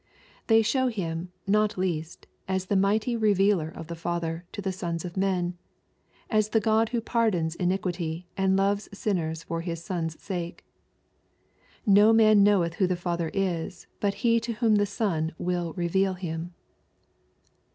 — They show Him, not least, as the Mighty Revealer of the Father to the sons of men, as the God who pardons iniquity, and loves sinners for His Son's sake :" No man knoweth who the Father is but he to whom the Son will reveal Him."